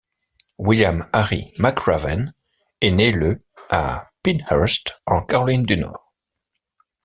William Harry McRaven est né le à Pinehurst en Caroline du Nord.